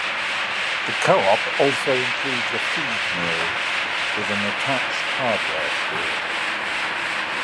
The Co-op also includes a feed mill, with an attached hardware store.